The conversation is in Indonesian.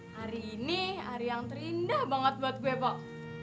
hari ini hari yang terindah banget buat gue pak